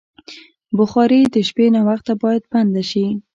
بخاري د شپې ناوخته باید بنده شي.